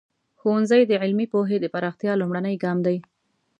ښوونځی د علمي پوهې د پراختیا لومړنی ګام دی.